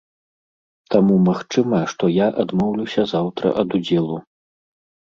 Таму магчыма, што я адмоўлюся заўтра ад удзелу.